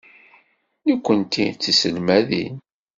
Nekkenti d tiselmadin.